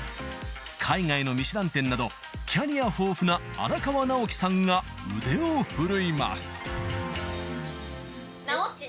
海外のミシュラン店などキャリア豊富なが腕を振るいます